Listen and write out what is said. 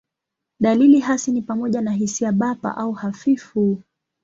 Dalili hasi ni pamoja na hisia bapa au hafifu.